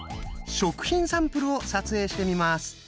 食品サンプルを撮影してみます。